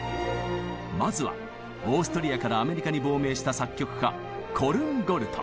まずはオーストリアからアメリカに亡命した作曲家コルンゴルト。